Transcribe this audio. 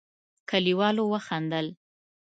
کليوالو وخندل.